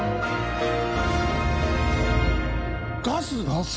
ガス！